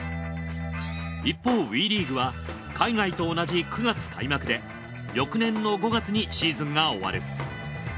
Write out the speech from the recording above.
一方ＷＥリーグは海外と同じ９月開幕で翌年の５月にシーズンが終わる。